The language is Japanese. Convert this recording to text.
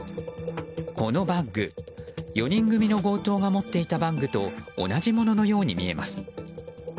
このバッグ、４人組の強盗が持っていたバッグと同じもののように見えます。